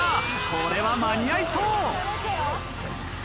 これは間に合いそう。